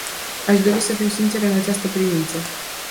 Aș dori să fiu sinceră în această privință.